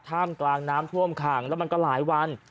ท่ามกลางน้ำท่วมขังแล้วมันก็หลายวัน